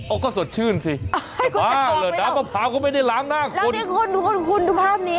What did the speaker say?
ก็สดชื่นสิบ้าเหรอน้ำมะพร้าวก็ไม่ได้ล้างหน้าคุณนี่คุณคุณดูภาพนี้